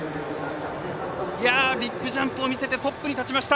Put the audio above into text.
ビッグジャンプを見せてトップに立ちました。